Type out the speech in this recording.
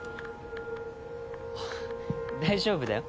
あっ大丈夫だよ。